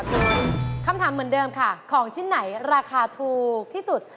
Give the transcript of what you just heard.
ส่วนคำถามเหมือนเดิมค่ะของชิ้นไหนราคาถูกที่สุด